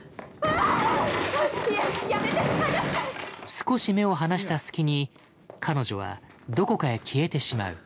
少し目を離した隙に彼女はどこかへ消えてしまう。